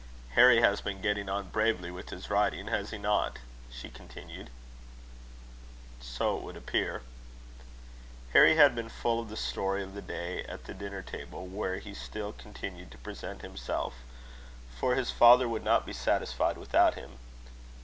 "Harry has been getting on bravely with his riding, has he not?" she continued. "So it would appear." Harry had been full of the story of the day at the dinner table, where he still continued to present himself; for his father would not be satisfied without him.